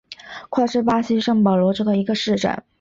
夸塔是巴西圣保罗州的一个市镇。